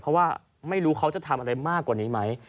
เพราะว่าไม่รู้เขาจะทำอะไรมากกว่านี้ไหม